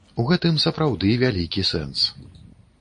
У гэтым сапраўды вялікі сэнс.